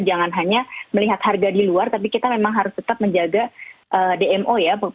jangan hanya melihat harga di luar tapi kita memang harus tetap menjaga dmo ya